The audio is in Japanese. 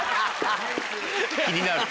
気になる。